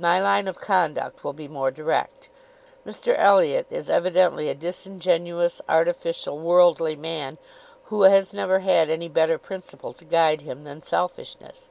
My line of conduct will be more direct. Mr Elliot is evidently a disingenuous, artificial, worldly man, who has never had any better principle to guide him than selfishness."